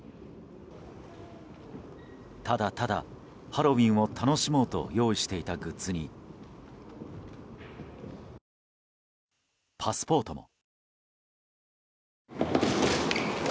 ただただハロウィーンを楽しもうと用意していたグッズにパスポートも。